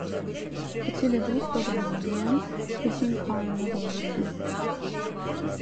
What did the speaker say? Aç ile dost olayım diyen peşin karnını doyursun.